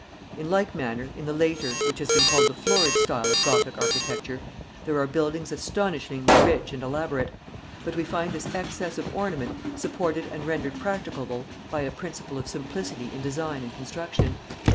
In like manner in the later, which has been called the florid style of Gothic architecture, there are buildings astonishingly rich and elaborate; but we find this excess of ornament supported and rendered practicable by a principle of simplicity in design and construction.